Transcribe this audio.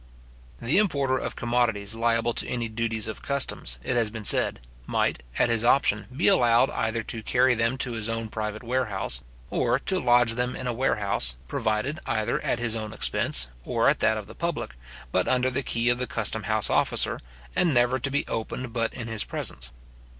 The importer of commodities liable to any duties of customs, it has been said, might, at his option, be allowed either to carry them to his own private warehouse; or to lodge them in a warehouse, provided either at his own expense or at that of the public, but under the key of the custom house officer, and never to be opened but in his presence.